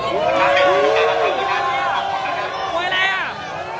การประตูกรมทหารที่สิบเอ็ดเป็นภาพสดขนาดนี้นะครับ